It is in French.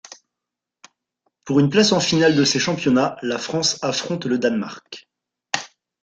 Pour une place en finale de ces championnats, la France affronte le Danemark.